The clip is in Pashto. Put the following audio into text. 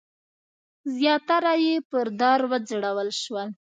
زیاتره یې پر دار وځړول شول.